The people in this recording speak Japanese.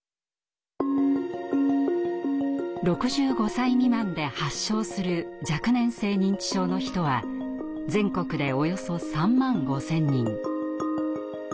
６５歳未満で発症する若年性認知症の人は全国でおよそ３万５０００人。